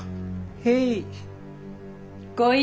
へい。